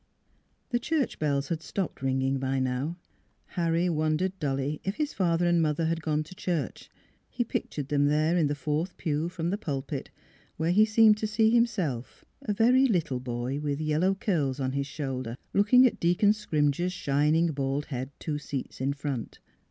... The church bells had stopped ringing by now. Harry wondered dully if his father and mother had gone to church. He pictured them there in the fourth pew from the pulpit, where he seemed to see himself, a very little boy with yellow curls on his shoulders, looking at Deacon Scrimger's shining bald head two seats in front.